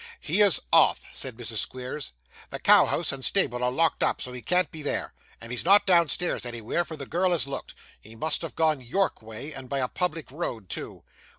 'He is off,' said Mrs. Squeers. 'The cow house and stable are locked up, so he can't be there; and he's not downstairs anywhere, for the girl has looked. He must have gone York way, and by a public road too.